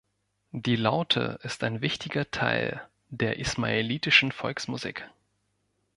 Die Laute ist ein wichtiger Teil der ismaelitischen Volksmusik.